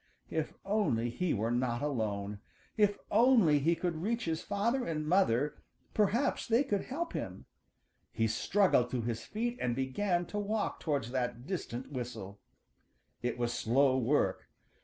If only he were not alone! If only he could reach his father and mother perhaps they could help him. He struggled to his feet and began to walk towards that distant whistle. It was slow work.